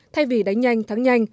thay vì đánh nhanh thắng nhanh